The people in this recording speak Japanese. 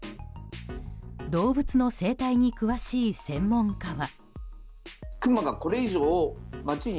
動物の生態に詳しい専門家は。